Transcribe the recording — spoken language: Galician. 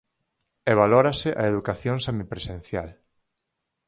E valórase a educación semipresencial.